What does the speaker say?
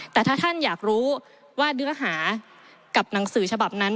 แต่ถ้าท่านอยากรู้ว่าเนื้อหากับหนังสือฉบับนั้น